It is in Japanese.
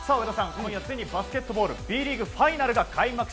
今夜ついにバスケットボールＢリーグファイナルが開幕。